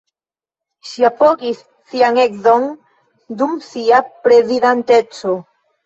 Ŝi apogis sian edzon dum sia prezidanteco.